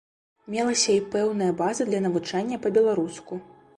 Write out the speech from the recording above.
Мелася і пэўная база для навучання па-беларуску.